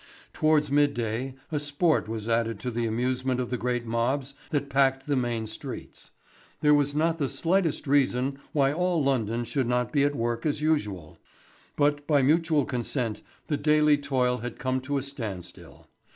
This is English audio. Towards midday a sport was added to the amusement of the great mobs that packed the main streets. There was not the slightest reason why all London should not be at work as usual, but, by mutual consent, the daily toil had come to a standstill.